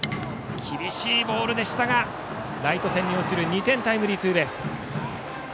厳しいボールでしたがライト線に落ちる２点タイムリーツーベース。